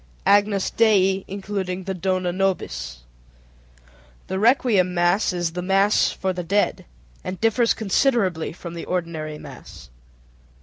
_ Agnus Dei (including the Dona nobis). The requiem mass is the "mass for the dead" and differs considerably from the ordinary mass.